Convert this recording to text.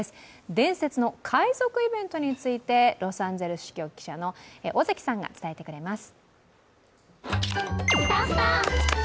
伝説の海賊イベントについてロサンゼルス支局記者の尾関さんが伝えてくれます。